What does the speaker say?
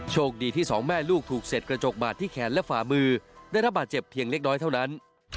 โชคดีที่สองแม่ลูกถูกเสร็จกระจกบาดที่แขนและฝ่ามือได้รับบาดเจ็บเพียงเล็กน้อยเท่านั้น